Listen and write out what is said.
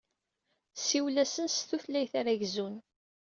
Ssiwel-asen s tutlayt ara gzun.